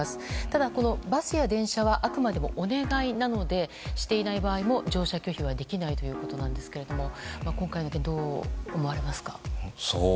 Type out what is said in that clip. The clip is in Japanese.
ただ、バスや電車はあくまでもお願いなのでしていない場合も乗車拒否はできないということですが今回の件、どう思われますか。